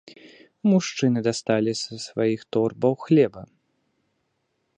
Мужчыны дасталі з сваіх торбаў хлеба.